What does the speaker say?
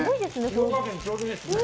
塩加減ちょうどいいですね